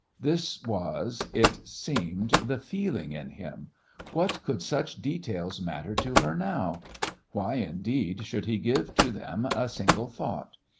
This was, it seemed, the feeling in him: "What could such details matter to her now? Why, indeed, should he give to them a single thought?